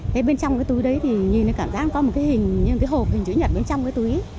thế bên trong cái túi đấy thì nhìn thấy cảm giác có một cái hình như cái hộp hình chữ nhật bên trong cái túi